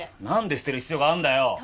何で捨てる必要があんだよ？